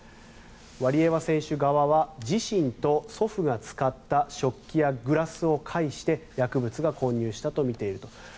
ワリエワ選手側は自身と祖父が使った食器やグラスを介して薬物が混入したとみていると。